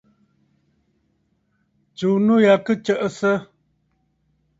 Tsùu nû ya kɨ tsəʼəsə!